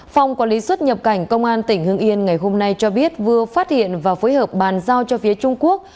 phòng quản lý xuất nhập cảnh công an tỉnh hương yên ngày hôm nay cho biết vừa phát hiện và phối hợp bàn giao cho phía trung quốc